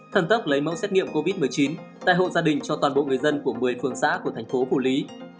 thần tốc lấy mẫu xét nghiệm covid một mươi chín tại hộ gia đình cho toàn bộ người dân của một mươi phường xã của thành phố phủ lý